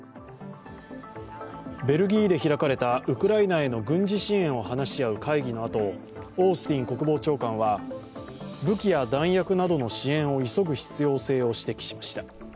ベルギーで開かれたウクライナへの軍事支援を話し合う会議のあと、オースティン国防長官は武器や弾薬などの支援を急ぐ必要性を指摘しました。